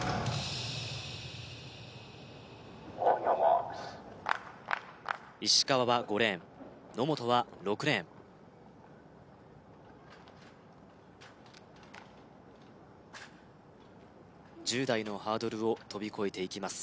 ＯｎＹｏｕｒＭａｒｋｓ石川は５レーン野本は６レーン１０台のハードルを跳び越えていきます